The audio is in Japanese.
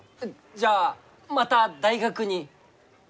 じゃあまた大学に？